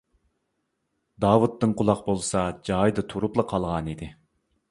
داۋۇت دىڭ قۇلاق بولسا جايىدا تۇرۇپلا قالغانىدى.